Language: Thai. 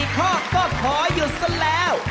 ข้อก็ขอหยุดซะแล้ว